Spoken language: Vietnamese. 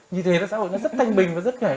như thế xã hội nó rất thanh bình và rất khỏe